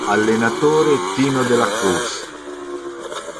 Allenatore: Tino de la Cruz